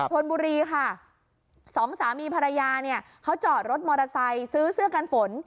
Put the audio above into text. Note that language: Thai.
ชนบุรีค่ะสองสามีภรรยาเนี่ยเขาจอดรถมอเตอร์ไซค์ซื้อเสื้อกันฝน